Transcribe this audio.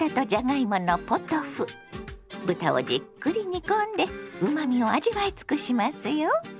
豚をじっくり煮込んでうまみを味わい尽くしますよ。